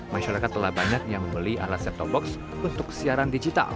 masyarakat telah banyak yang membeli alat set top box untuk siaran digital